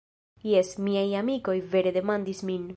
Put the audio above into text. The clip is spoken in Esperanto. Jes, miaj amikoj vere demandis min